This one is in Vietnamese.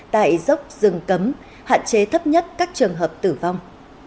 tại dốc rừng cấm hạn chế thấp nhất các trường hợp tử vong